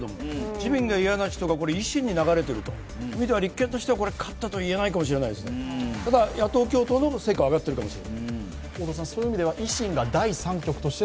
自民がいやな人が維新に流れてるという意味では、立憲は勝ったとはいえないかもしれない、ただ野党共闘の成果は挙がっているかもしれない。